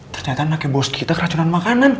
ternyata anaknya bos kita keracunan makanan